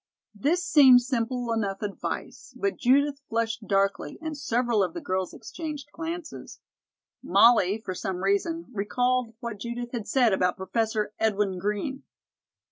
This seemed simple enough advice, but Judith flushed darkly, and several of the girls exchanged glances. Molly, for some reason, recalled what Judith had said about Professor Edwin Green.